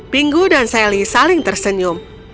pingu dan sally saling tersenyum